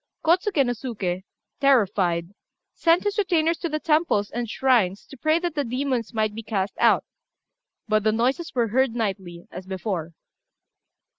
Kôtsuké no Suké, terrified, sent his retainers to the temples and shrines to pray that the demons might be cast out; but the noises were heard nightly, as before.